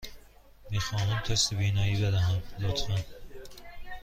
می خواهم تست بینایی بدهم، لطفاً.